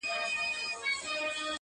نه سل سرى اژدها په گېډه موړ سو!.